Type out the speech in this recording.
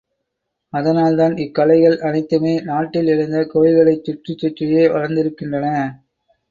அதனால்தான் இக்கலைகள் அனைத்துமே நாட்டில் எழுந்த கோயில்களைச் சுற்றிச் சுற்றியே வளர்ந்திருக்கின்றன.